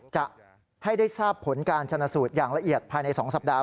จะให้ได้ทราบผลการชนะสูตรอย่างละเอียดภายใน๒สัปดาห